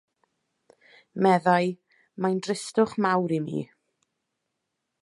Meddai, 'Mae'n dristwch mawr i mi.